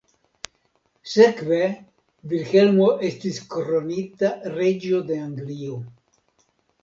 Sekve Vilhelmo estis kronita reĝo de Anglio.